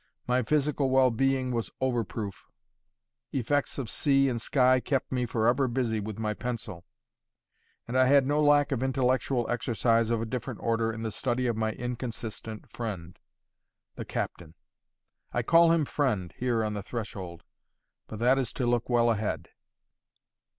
My physical well being was over proof; effects of sea and sky kept me for ever busy with my pencil; and I had no lack of intellectual exercise of a different order in the study of my inconsistent friend, the captain. I call him friend, here on the threshold; but that is to look well ahead.